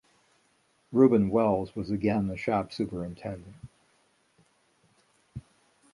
Reuben Wells was again the shop superintendent.